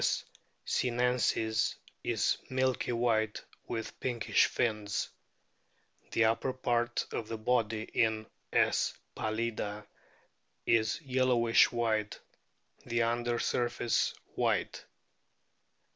sinensis is milky white with pinkish fins. The upper part of the body in S. pallida is yellowish white, the under surface white.